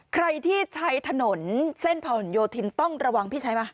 ใครที่ใช้ถนนเส้นผนโยธินต้องระวังพี่ใช้ไหม